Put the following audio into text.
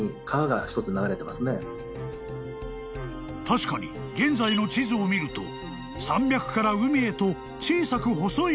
［確かに現在の地図を見ると山脈から海へと小さく細い川が］